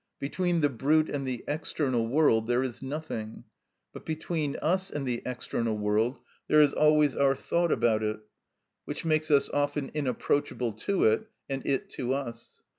Between the brute and the external world there is nothing, but between us and the external world there is always our thought about it, which makes us often inapproachable to it, and it to us.